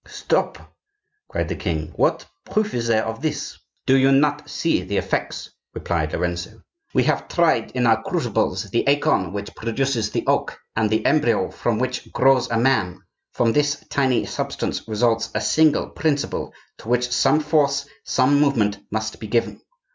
"Stop!" cried the king, "what proof is there of this?" "Do you not see the effects?" replied Lorenzo. "We have tried in our crucibles the acorn which produces the oak, and the embryo from which grows a man; from this tiny substance results a single principle, to which some force, some movement must be given.